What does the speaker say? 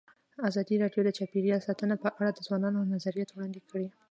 ازادي راډیو د چاپیریال ساتنه په اړه د ځوانانو نظریات وړاندې کړي.